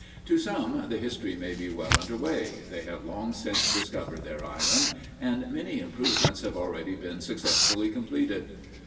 To some the history may be well under way; they have long since discovered their island, and many improvements have already been successfully completed.